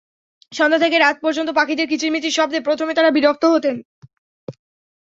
সন্ধ্যা থেকে রাত পর্যন্ত পাখিদের কিচিরমিচির শব্দে প্রথমে তাঁরা বিরক্ত হতেন।